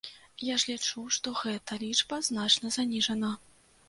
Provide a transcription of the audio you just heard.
Я ж лічу, што гэта лічба значна заніжана.